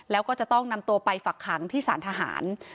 แล้วก็จะต้องนำตัวไปฝักขังที่สารทหาร